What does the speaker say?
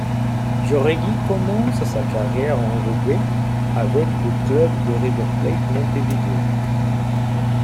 Jáuregui commence sa carrière en Uruguay, avec le club du River Plate Montevideo.